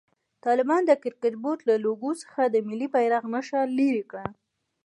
طالبانو د کرکټ بورډ له لوګو څخه د ملي بيرغ نخښه لېري کړه.